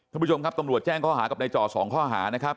ท่านผู้ชมครับตำรวจแจ้งข้อหากับนายจ่อ๒ข้อหานะครับ